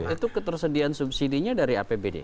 itu ketersediaan subsidi nya dari apbd